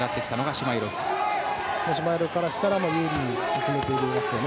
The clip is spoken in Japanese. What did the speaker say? シュマイロフからしたら優位に進めていますよね。